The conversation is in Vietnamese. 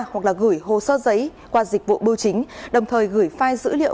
hoặc là gửi hồ sơ giấy qua dịch vụ bưu chính đồng thời gửi file dữ liệu